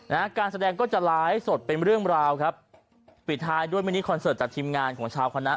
นะฮะการแสดงก็จะไลฟ์สดเป็นเรื่องราวครับปิดท้ายด้วยมินิคอนเสิร์ตจากทีมงานของชาวคณะ